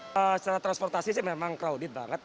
secara transportasi sih memang crowded banget